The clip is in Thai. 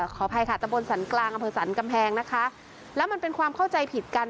ขออภัยค่ะตะบนสรรกลางอำเภอสรรกำแพงนะคะแล้วมันเป็นความเข้าใจผิดกัน